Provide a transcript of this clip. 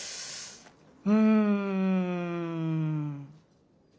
うん。